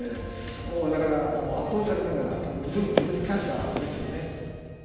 もうだから、圧倒されながら、でも本当に感謝ですよね。